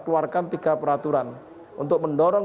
keluarkan tiga peraturan untuk mendorong